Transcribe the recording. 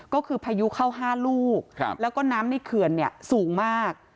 ก็คือพายุเข้า๕ลูกแล้วก็น้ำในเขื่อนเนี่ยสูงมาก